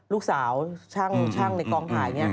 ลูกสาวช่างในกองถ่ายนี่